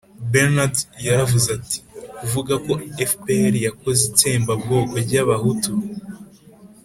bernard yaravuze ati: «kuvuga ko fpr yakoze itsembabwoko ry’abahutu